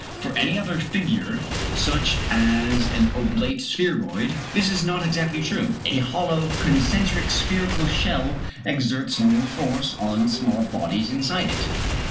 For any other figure, such as an oblate spheroid, this is not exactly true. A hollow concentric spherical shell exerts no force on small bodies inside it.